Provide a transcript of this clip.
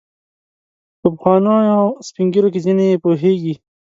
په پخوانیو سپین ږیرو کې ځینې یې پوهیږي.